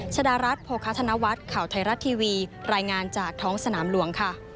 ชดารัฐโภคธนวัฒน์ข่าวไทยรัฐทีวีรายงานจากท้องสนามหลวงค่ะ